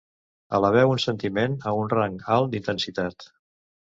Eleveu un sentiment a un rang alt d'intensitat.